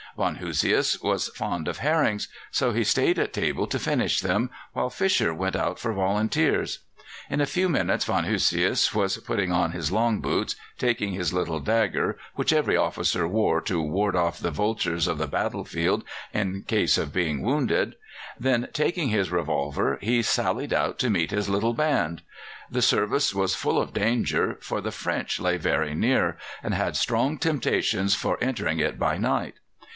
"Von Hosius was fond of herrings, so he stayed at table to finish them, while Fischer went out for volunteers. In a few minutes von Hosius was putting on his long boots, taking his little dagger, which every officer wore to ward off the vultures of the battle field in case of being wounded; then, taking his revolver, he sallied out to meet his little band. The service was full of danger, for the French lay very near, and had strong temptations for entering it by night.